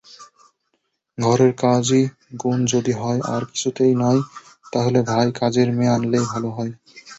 ঘরের কাজই গুণ যদি হয়আর কিছুতেই নয়, তাহলে ভাই কাজের মেয়েইআনলে ভালো হয়।